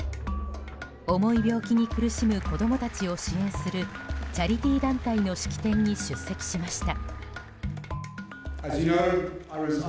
重い病気に苦しむ子供たちを支援するチャリティー団体の式典に出席しました。